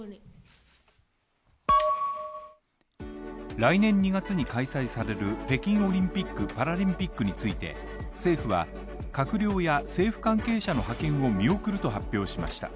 来年２月に開催される北京オリンピック・パラリンピックについて、政府は閣僚や政府関係者の派遣を見送ると発表しました。